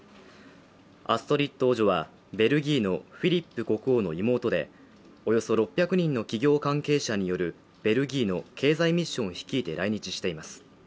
アストリッド王女は、ベルギーのフィリップ国王の妹でおよそ６００人の企業関係者によるベルギーの経済ミッションを率いて来日しています。